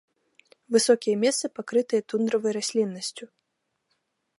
Высокія месцы пакрытыя тундравай расліннасцю.